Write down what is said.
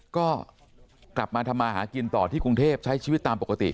ก็กลับมาทำมาหากินต่อที่กรุงเทพใช้ชีวิตตามปกติ